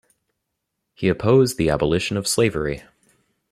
He opposed the abolition of slavery.